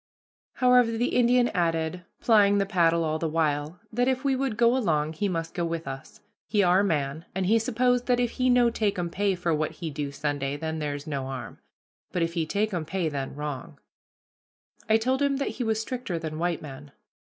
However, the Indian added, plying the paddle all the while, that if we would go along he must go with us, he our man, and he suppose that if he no takum pay for what he do Sunday then ther's no harm, but if he takum pay then wrong. I told him that he was stricter than white men.